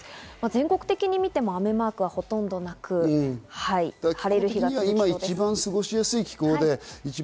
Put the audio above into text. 全国的に見ても雨マークはほとんどなく、晴れる日が続きそうです。